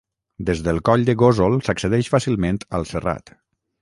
Des del coll de Gósol s'accedeix fàcilment al Serrat.